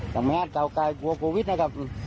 เล่นดัง